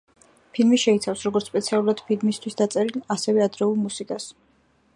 ფილმი შეიცავს როგორც სპეციალურად ფილმისთვის დაწერილ, ასევე ადრეულ მუსიკას.